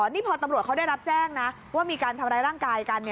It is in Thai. นี่พอตำรวจเขาได้รับแจ้งนะว่ามีการทำร้ายร่างกายกัน